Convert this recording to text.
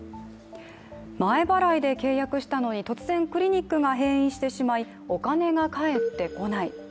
前払いで契約したのに突然クリニックが閉院してしまいお金が返ってこない。